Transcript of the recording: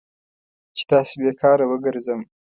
چې داسې بې کاره وګرځم.